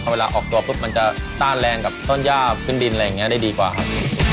เวลาออกตัวปุ๊บมันจะต้านแรงกับต้นย่าขึ้นดินอะไรอย่างนี้ได้ดีกว่าครับ